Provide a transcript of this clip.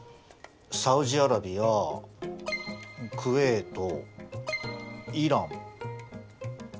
サウジアラビアクウェートイラン。